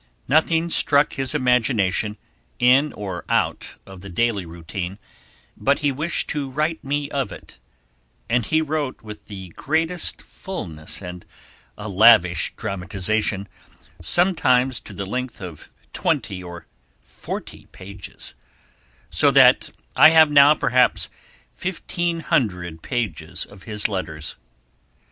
Nothing struck his imagination, in or out of the daily routine, but he wished to write me of it, and he wrote with the greatest fulness and a lavish dramatization, sometimes to the length of twenty or forty pages, so that I have now perhaps fifteen hundred pages of his letters.